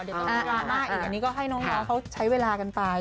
เดี๋ยวต้องการให้อีกอีกอันนี้ก็ให้น้องรัวเขาใช้เวลากันไป